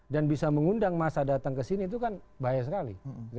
dan bisa mengundang masa datang ke sini itu kan bahaya sekali